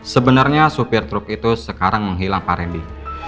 sebenarnya supir truk itu sekarang menghilang pak rendy